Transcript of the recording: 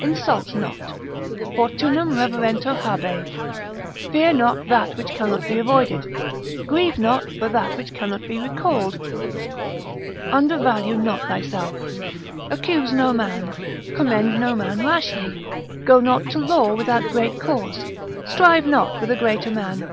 Insult not. Fortunam reverentur habe. Fear not that which cannot be avoided. Grieve not for that which cannot be recalled. Undervalue not thyself. Accuse no man, commend no man rashly. Go not to law without great cause. Strive not with a greater man.